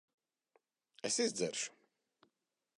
Es izdzeršu.